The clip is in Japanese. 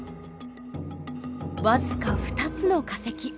わずか２つの化石。